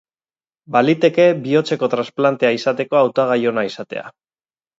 Baliteke bihotzeko transplantea izateko hautagai ona izatea.